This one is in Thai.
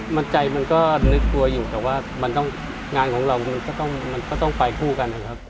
มันใจมันก็นึกกลัวอยู่แต่ว่ามันต้องงานของเรามันก็ต้องไปคู่กันนะครับ